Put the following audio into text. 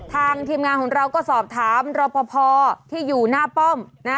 ทีมงานของเราก็สอบถามรอปภที่อยู่หน้าป้อมนะ